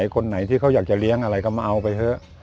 คนไหนที่เขาอยากจะเลี้ยงอะไรก็มาเอาไปเถอะ